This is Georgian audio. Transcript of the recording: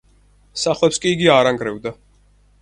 სახლებს კი იგი არ ანგრევდა.